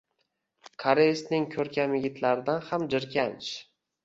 Koreysning ko‘rkam yigitlaridan ham jirkanch.